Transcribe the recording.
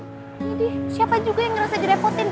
jadi siapa juga yang ngerasa direpotin